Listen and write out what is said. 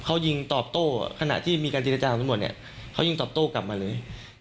เขายิงตอบโต้ขณะที่มีการเจรจาทั้งหมดเนี่ยเขายิงตอบโต้กลับมาเลย